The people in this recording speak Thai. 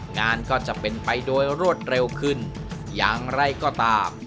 งานก็จะเป็นไปโดยรวดเร็วขึ้นอย่างไรก็ตาม